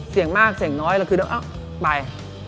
เสี่ยงมากเสี่ยงน้อยเราคืออ้าวไป